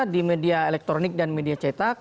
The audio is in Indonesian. di media elektronik dan media cetak